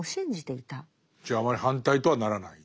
じゃああまり反対とはならない。